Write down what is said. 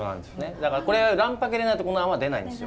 だからこれ卵白入れないとこの泡出ないんですよ。